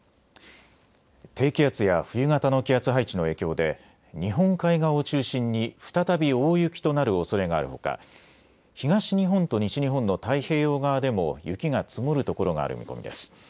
低気圧や冬型の気圧配置の影響で日本海側を中心に再び大雪となるおそれがあるほか東日本と西日本の太平洋側でも雪が積もるところがある見込みです。